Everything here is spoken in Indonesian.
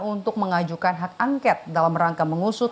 untuk mengajukan hak angket dalam rangka mengusut